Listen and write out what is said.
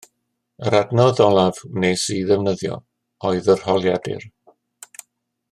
Yr adnodd olaf wnes i ddefnyddio oedd yr holiadur